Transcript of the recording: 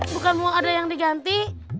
bukan uang ada yang diganti